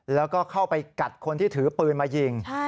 แล้วก็เข้าไปกัดคนที่ถือปืนมายิง